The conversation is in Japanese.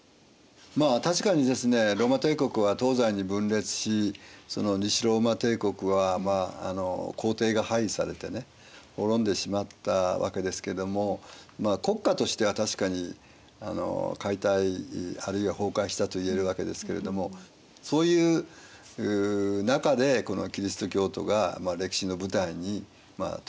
まあ確かにですねローマ帝国は東西に分裂しその西ローマ帝国は皇帝が廃位されてね滅んでしまったわけですけども国家としては確かに解体あるいは崩壊したと言えるわけですけれどもそういう中でキリスト教徒が歴史の舞台に登場してきた。